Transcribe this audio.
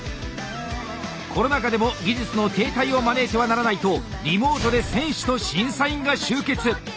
コロナ禍でも技術の停滞を招いてはならないとリモートで選手と審査員が集結。